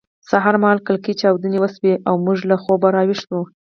سهار مهال کلکې چاودنې وشوې او موږ له خوبه راویښ شوو